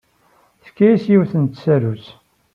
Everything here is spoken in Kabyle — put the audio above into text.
Tefka-as yiwet n tsarut.